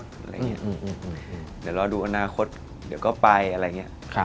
เดี๋ยวรอดูอนาคตเดี๋ยวก็ไป